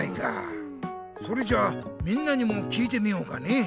それじゃみんなにも聞いてみようかね。